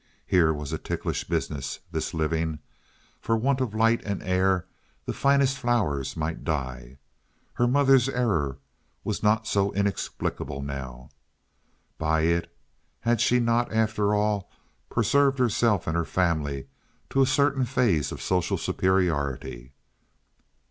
Here was a ticklish business, this living. For want of light and air the finest flowers might die. Her mother's error was not so inexplicable now. By it had she not, after all, preserved herself and her family to a certain phase of social superiority?